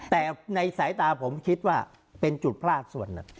แต่ในสายตาผมคิดว่าเป็นจุดพลาดส่วนหนึ่ง